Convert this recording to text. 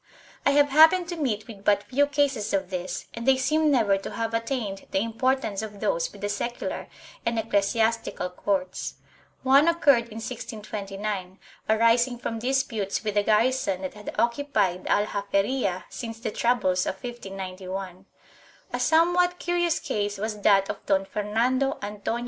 I have happened to meet with but few cases of this and they seem never to have attained the importance of those with the secular and ecclesiastical courts. One occurred in 1629, arising from disputes with the garrison that had occupied the Aljaferia since the troubles of 1591. A somewhat curious case was that of Don Fernando 1 Archive de Simancas, Inquisition, Lib.